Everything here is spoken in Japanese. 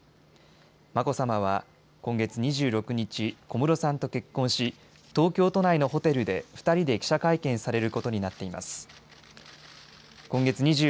眞子さまは今月２６日、小室さんと結婚し、東京都内のホテルで２人で記者会見されることになっています。